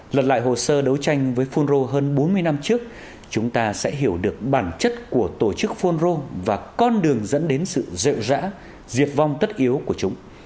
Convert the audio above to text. lật lại hồ sơ đấu tranh với fonro hơn bốn mươi năm trước chúng ta sẽ hiểu được bản chất của tổ chức fonro và con đường dẫn đến sự dẹo dã diệt vong tất yếu của chúng